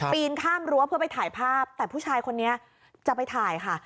ปีนข้ามรั้วเพื่อไปถ่ายภาพแต่ผู้ชายคนนี้จะไปถ่ายค่ะ